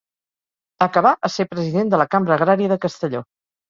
Acabà a ser president de la Cambra Agrària de Castelló.